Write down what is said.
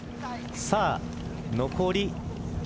さあ残り